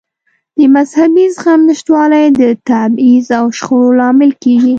د مذهبي زغم نشتوالی د تبعیض او شخړو لامل کېږي.